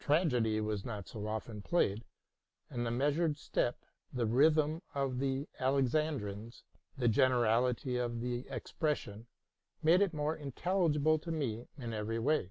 Tragedy was not so often played ; and the measured step, the rhythm of the Alexan drines, the generality of the expression, made it more intel ligible to me in every way.